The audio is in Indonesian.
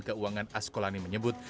jenderal keuangan askolani menyebut